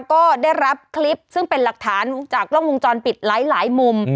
ก็ได้รับคลิปซึ่งเป็นหลักฐานจากกล้องวงจรปิดหลายมุม